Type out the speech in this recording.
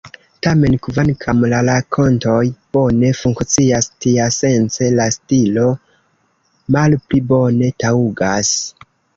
Tamen, kvankam la rakontoj bone funkcias tiasence, la stilo malpli bone taŭgas.